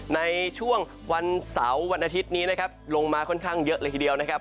ในช่วงวันเสาร์วันอาทิตย์นี้นะครับลงมาค่อนข้างเยอะเลยทีเดียวนะครับ